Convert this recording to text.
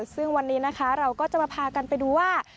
ซึ่งวันนี้นะคะเราก็จะมาพากันไปดูว่า